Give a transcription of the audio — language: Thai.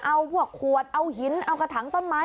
เอาพวกขวดเอาหินเอากระถังต้นไม้